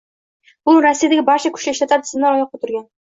Bugun Rossiyadagi barcha kuch ishlatar tizimlari oyoqqa turgan.